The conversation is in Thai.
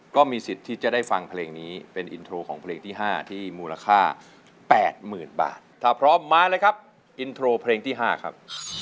ก็มีสิทธิ์ที่จะได้ฟังเพลงนี้เป็นอินโทรของเพลงที่๕ที่มูลค่า๘๐๐๐บาทถ้าพร้อมมาเลยครับอินโทรเพลงที่๕ครับ